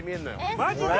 マジで！？